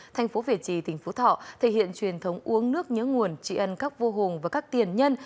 thành phố việt trì tỉnh phú thọ thể hiện truyền thống uống nước nhớ nguồn trị ân các vua hùng và các tiền nhân